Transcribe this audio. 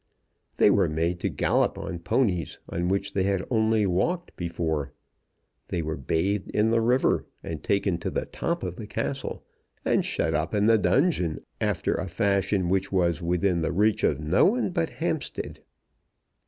They were made to gallop on ponies on which they had only walked before; they were bathed in the river, and taken to the top of the Castle, and shut up in the dungeon after a fashion which was within the reach of no one but Hampstead.